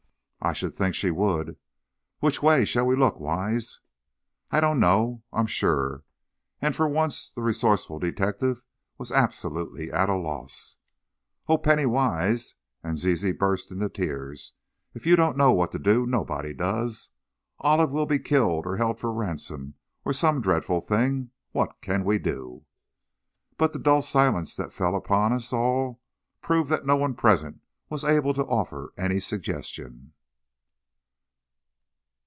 "I should think she would! Which way shall we look, Wise?" "I don't know, I'm sure!" and for once the resourceful detective was absolutely at a loss. "Oh, Penny Wise," and Zizi burst into tears, "if you don't know what to do, nobody does! Olive will be killed or held for ransom or some dreadful thing! What can we do?" But the dull silence that fell on us all proved that no one present was able to offer any suggestion.